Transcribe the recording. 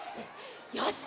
よし。